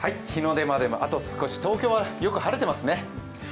日の出まであと少し、東京はよく晴れてますね。